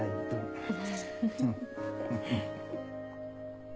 フフフッ。